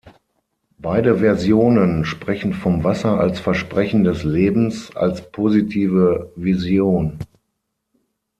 Beide Versionen sprechen vom Wasser als „Versprechen des Lebens“ als positive Vision.